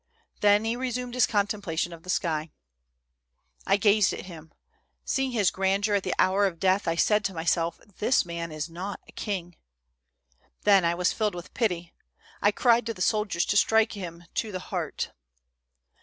Then, he resumed his contemplation of the sky. " I gazed at him. Seeing his grandeur at the hour of death, I said to myself :' This man is not a king.' Then, I was filled with pity, I cried to the soldiers to strike him to the heart.